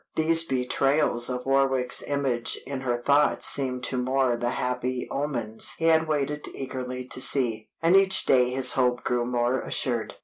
These betrayals of Warwick's image in her thoughts seemed to Moor the happy omens he had waited eagerly to see, and each day his hope grew more assured.